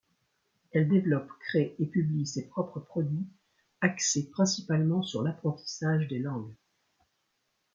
Elle développe, crée et publie ses propres produits axés principalement sur l'apprentissage des langues.